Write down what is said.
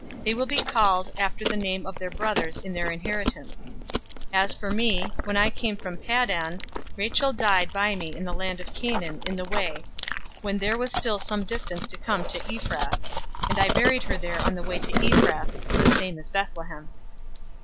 They will be called after the name of their brothers in their inheritance. 048:007 As for me, when I came from Paddan, Rachel died by me in the land of Canaan in the way, when there was still some distance to come to Ephrath, and I buried her there in the way to Ephrath (the same is Bethlehem)."